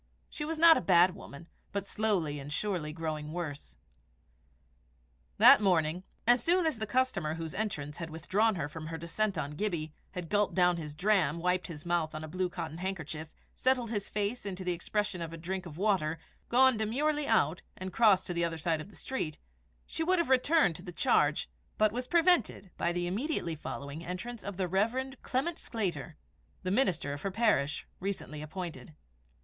She was not a bad woman, but slowly and surely growing worse. That morning, as soon as the customer whose entrance had withdrawn her from her descent on Gibbie, had gulped down his dram, wiped his mouth with his blue cotton handkerchief, settled his face into the expression of a drink of water, gone demurely out, and crossed to the other side of the street, she would have returned to the charge, but was prevented by the immediately following entrance of the Rev. Clement Sclater the minister of her parish, recently appointed.